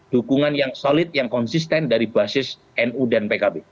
dukungan yang solid yang konsisten dari basis nu dan pkb